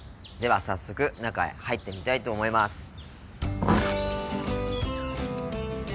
では早速中へ入ってみたいと思います。